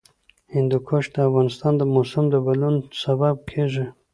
هندوکش د افغانستان د موسم د بدلون سبب کېږي.